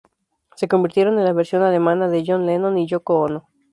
Se convirtieron en la versión alemana de John Lennon y Yoko Ono.